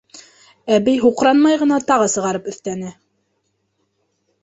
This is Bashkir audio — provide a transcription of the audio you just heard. Әбей һуҡранмай ғына тағы сығарып өҫтәне.